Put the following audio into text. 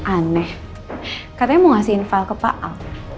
aneh katanya mau ngasihin file ke pak al